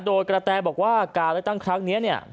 โดยกระแตบอกว่าการเลือกตั้งครั้งนี้เนี่ย